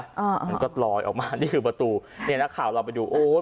อ่ามันก็ลอยออกมานี่คือประตูเนี่ยนักข่าวเราไปดูโอ้ย